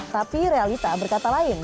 tapi realita berkata lain